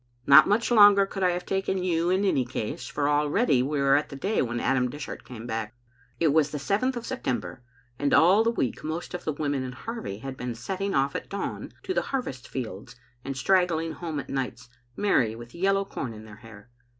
"Not much longer could I have taken you in any case, for already we are at the day when Adam Dishart came back. It was the 7th of September, and all the week most of the women in Harvie had been setting oflE at dawn to the harvest fields and straggling home at nights, merry and with yellow com in their hair.